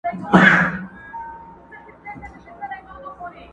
پل چي یې د ده پر پلونو ایښی دی ښاغلی دی!!